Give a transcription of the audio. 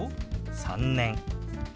「３年」。